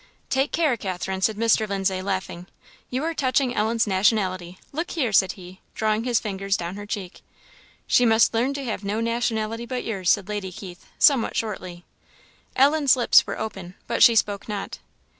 "Take care, Catherine," said Mr. Lindsay, laughing, "you are touching Ellen's nationality; look here," said he, drawing his fingers down her cheek. "She must learn to have no nationality but yours," said Lady Keith, somewhat shortly. Ellen's lips were open, but she spoke not.